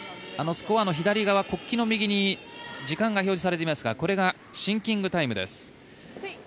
あのスコアの左側、国旗の右に時間が表示されていますがこれがシンキングタイムです。